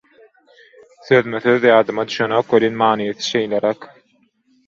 Sözme-söz ýadyma düşünek welin, manysy şeýleräk: